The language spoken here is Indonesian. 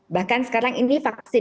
bahkan sekarang ini vaksin